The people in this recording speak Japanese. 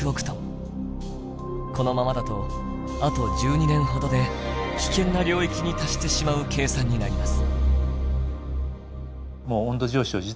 このままだとあと１２年ほどで「危険な領域」に達してしまう計算になります。